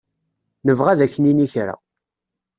Nebɣa ad ak-nini kra.